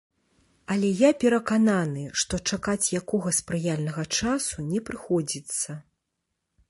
Але я перакананы, што чакаць якога спрыяльнага часу не прыходзіцца.